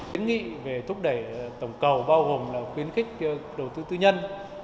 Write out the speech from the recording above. kiến nghị về thúc đẩy tổng cầu bao gồm là khuyến khích đầu tư tư nhân